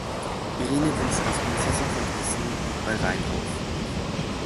Irene wuchs als Prinzessin von Hessen und bei Rhein auf.